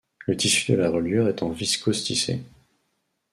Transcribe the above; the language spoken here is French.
Le tissu de la reliure est en viscose tissée.